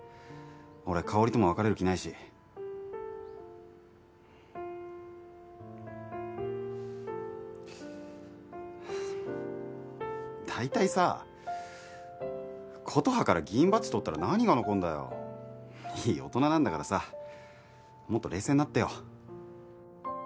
俺香織とも別れる気ないし大体さことはから議員バッジ取ったら何が残んだよいい大人なんだからさもっと冷静になってよ